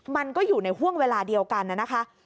มันก็อยู่ในห่วงเวลาเดียวกันนะคะ